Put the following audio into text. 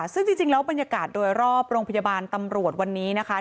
ซึ่งจริงแล้วบรรยากาศโดยรอบโรงพยาบาลตำรวจวันนี้นะคะ